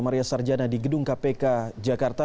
maria sarjana di gedung kpk jakarta